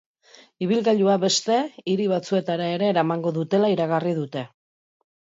Ibilgailua beste hiri batzuetara ere eramango dutela iragarri dute.